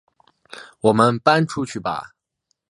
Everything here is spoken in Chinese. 我们搬出去吧